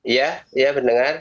ya ya mendengar